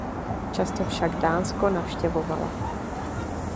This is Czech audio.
Často však Dánsko navštěvovala.